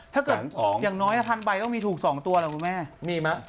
ถ้าเกิดอย่างน้อยพันใบต้องมีถูก๒ตัวหรือเปล่าพี่แม่มีมั้ย